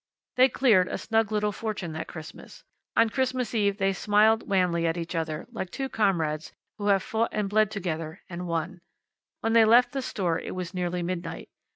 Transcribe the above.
They cleared a snug little fortune that Christmas. On Christmas Eve they smiled wanly at each other, like two comrades who have fought and bled together, and won. When they left the store it was nearly midnight.